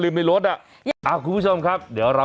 ซื้อให้มันต้องมีในกล่องไว้ล่ะ